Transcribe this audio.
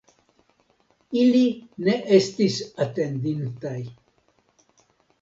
Ili ne estis atendintaj.